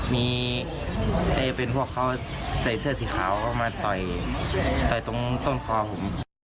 มีเตเป็นพวกเขาใส่เสื้อสีขาวเข้ามาต่อยต้นคอผม